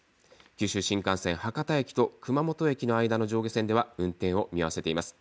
九州新幹線博多駅と熊本駅の間の上下線では運転を見合わせています。